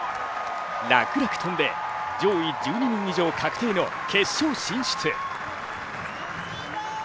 楽々跳んで、上位１２人以上確定の決勝進出。